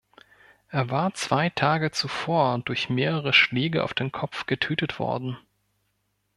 Er war zwei Tage zuvor durch mehrere Schläge auf den Kopf getötet worden.